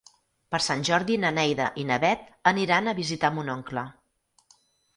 Per Sant Jordi na Neida i na Bet aniran a visitar mon oncle.